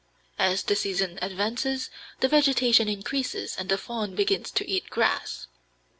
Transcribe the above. As the season advances the vegetation increases and the fawn begins to eat grass.